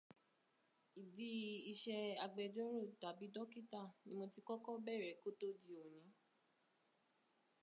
Ìdí iṣẹ́ agbẹjọ́rò tàbí dókítà ni mo ti kọ́kọ́ bẹ̀rẹ̀ kó tó di òní